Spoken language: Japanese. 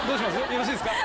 よろしいですか？